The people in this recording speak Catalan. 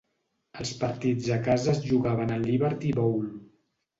Els partits a casa es jugaven al Liberty Bowl.